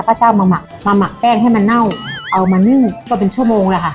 ก็จะเอามาหมักมาหมักแป้งให้มันเน่าเอามานึ่งก็เป็นชั่วโมงแล้วค่ะ